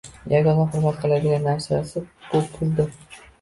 Yagona hurmat qiladigan narsasi bu puldir!